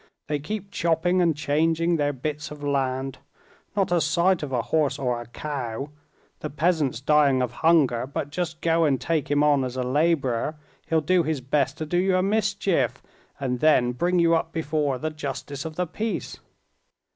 They keep chopping and changing their bits of land. Not a sight of a horse or a cow. The peasant's dying of hunger, but just go and take him on as a laborer, he'll do his best to do you a mischief, and then bring you up before the justice of the peace."